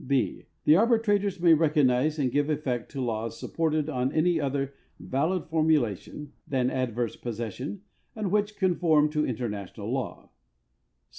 (&) The arbitrators ma}' recognize and give effect to laws sup ported on any other valid foundation (than adverse possession) and which conform to international law.